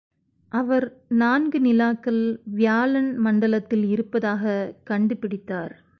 அவர் நான்கு நிலாக்கள் வியாழன் மண்டலத்தில் இருப்பதாகக் கண்டு பிடித்தார்!